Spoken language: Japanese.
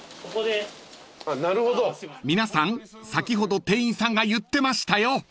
［皆さん先ほど店員さんが言ってましたよ！］